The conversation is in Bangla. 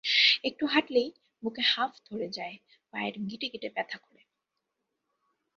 একটু হাঁটলেই বুকে হাঁফ ধরে যায়, পায়ের গিঁটে গিঁটে ব্যথা করে।